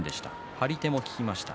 張り手も効きました。